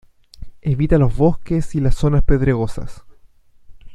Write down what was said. Evita los bosques y las zonas pedregosas.